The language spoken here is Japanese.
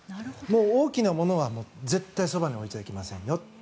大きなものは絶対にそばに置いてはいけませんよ。